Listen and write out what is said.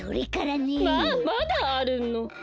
まあまだあるの？